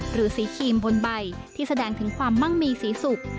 หรือสีครีมบนใบที่แสดงถึงความมั่งมีสีสุข